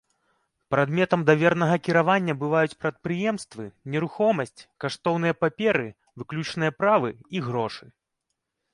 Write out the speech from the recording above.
Прадметам давернага кіравання бываюць прадпрыемствы, нерухомасць, каштоўныя паперы, выключныя правы і грошы.